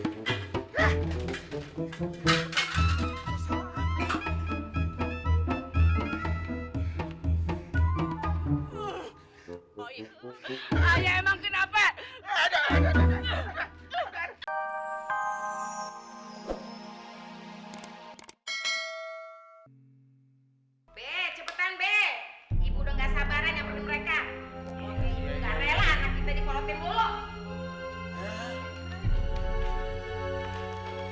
be cepetan be ibu udah gak sabaran nyamperin mereka gak rela anak kita di kolam tembok